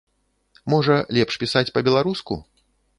Можа, лепш пісаць па-беларуску?